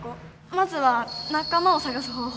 まずは仲間を探す方法。